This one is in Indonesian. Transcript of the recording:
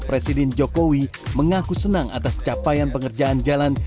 presiden jokowi mengaku senang atas capaian pengerjaan jalan